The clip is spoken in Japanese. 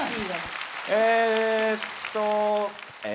えっとえ。